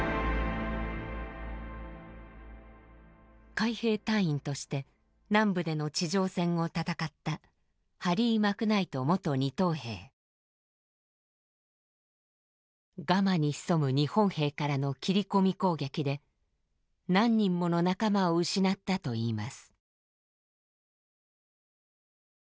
海兵隊員として南部での地上戦を戦ったガマに潜む日本兵からの斬り込み攻撃で何人もの仲間を失ったといいます。